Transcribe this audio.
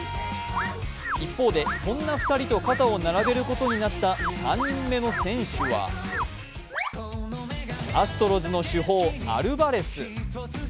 一方でそんな２人と肩を並べることになった３人目の選手はアストロズの主砲、アルバレス。